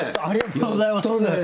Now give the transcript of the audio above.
ありがとうございます。